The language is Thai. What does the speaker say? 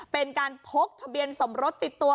เป็นการพกทะเบียนสมรสติดตัว